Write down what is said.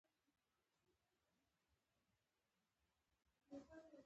هغه ډېرې خوشخطه دي